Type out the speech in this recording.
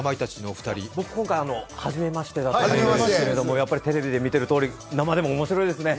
僕、今回初めましてですけどテレビで見ているとおり生でも面白いですね。